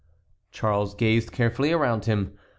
Charles gazed carefully around him.